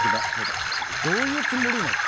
どういうつもりなん？